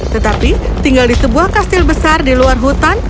tetapi tinggal di sebuah kastil besar di luar hutan